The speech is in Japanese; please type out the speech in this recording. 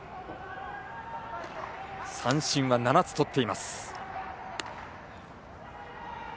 三振は７つとっています。